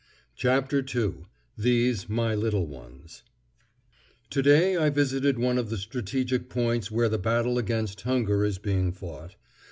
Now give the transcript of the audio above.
CHAPTER II—THESE MY LITTLE ONES Today I visited one of the strategic points where the battle against hunger is being fought.